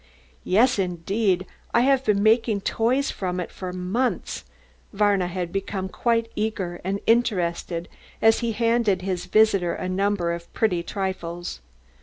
"Yes, indeed; I have been making toys from it for months." Varna had become quite eager and interested as he handed his visitor a number of pretty trifles.